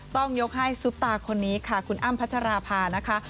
ต้องยกให้ซุปตาคนนี้ค่ะคุณอ้ำพัชราภานะคะ